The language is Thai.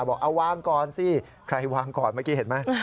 บอกเอาวางก่อนสิใครวางก่อนเมื่อกี้เห็นไหม